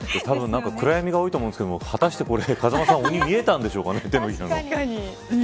暗闇が多いと思うんですけど果たして見えたんでしょうかね。